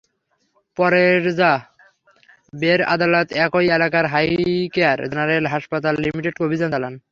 পরে র্যা বের আদালত একই এলাকার হাইকেয়ার জেনারেল হাসপাতাল লিমিটেডে অভিযান চালান।